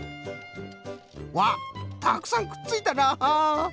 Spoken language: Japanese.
わったくさんくっついたな！